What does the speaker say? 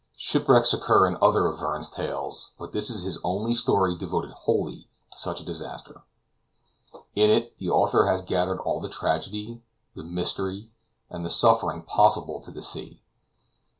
Shipwrecks occur in other of Verne's tales; but this is his only story devoted wholly to such a disaster. In it the author has gathered all the tragedy, the mystery, and the suffering possible to the sea.